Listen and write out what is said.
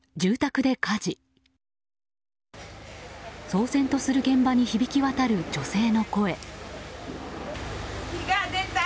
騒然とする現場に響き渡る女性の声。